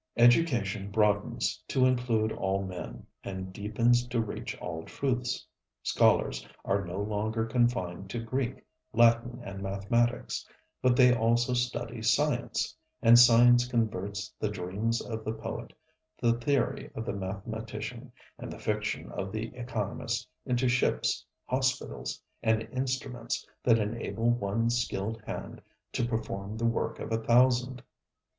Education broadens to include all men, and deepens to reach all truths. Scholars are no longer confined to Greek, Latin and mathematics, but they also study science; and science converts the dreams of the poet, the theory of the mathematician and the fiction of the economist into ships, hospitals and instruments that enable one skilled hand to perform the work of a thousand.